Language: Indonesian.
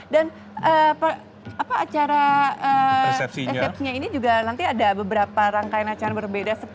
dan acara resepsinya ini juga nanti ada beberapa rangkaian acara berbeda